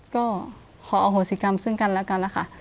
ก็ขออโหสิกรรมซึ่งกันแล้วกันนะคะ